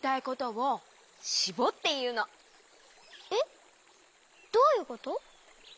えっどういうこと？